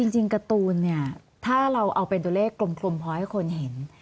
จริงการ์ตูนเนี่ยถ้าเราเอาเป็นตัวเลขกลมพอให้คนเห็น